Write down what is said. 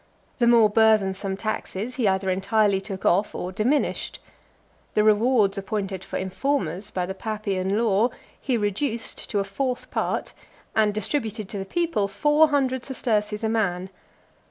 The more burthensome taxes he either entirely took off, or diminished. The rewards appointed for informers by the Papian law, he reduced to a fourth part, and distributed to the people four hundred sesterces a man.